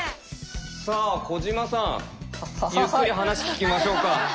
さあ小島さんゆっくり話聞きましょうか。ははい。